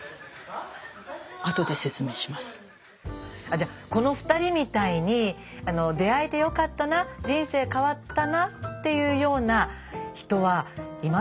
じゃこの２人みたいに出会えてよかったな人生変わったなっていうような人はいますでしょうか。